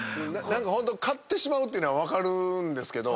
買ってしまうっていうのは分かるんですけど